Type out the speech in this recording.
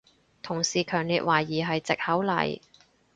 同事強烈懷疑係藉口嚟